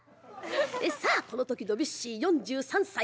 さあこの時ドビュッシー４３歳。